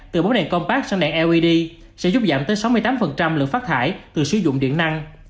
từ bóng đèn compact sang đèn led sẽ giúp giảm tới sáu mươi tám lượng phát thải từ sử dụng điện năng